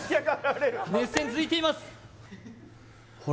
熱戦続いています